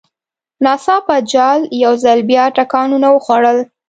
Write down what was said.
ناڅاپه جال یو ځل بیا ټکانونه وخوړل.